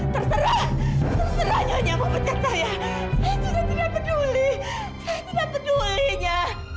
terserah terserahnya nyamuk pecah saya saya tidak peduli saya tidak pedulinya